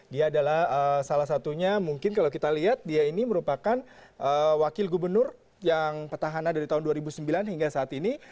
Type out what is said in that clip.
dia adalah salah satunya mungkin kalau kita lihat dia ini merupakan wakil gubernur yang petahana dari tahun dua ribu sembilan hingga saat ini